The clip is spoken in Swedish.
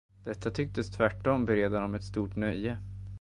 Detta tycktes tvärtom bereda dem ett stort nöje.